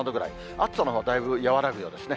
暑さのほうはだいぶ和らぐようですね。